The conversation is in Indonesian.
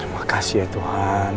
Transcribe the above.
terima kasih ya tuhan